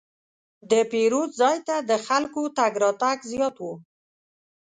د پیرود ځای ته د خلکو تګ راتګ زیات و.